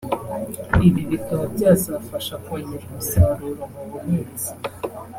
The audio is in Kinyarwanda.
ibi bikaba byazafasha kongera umusaruro mu buhinzi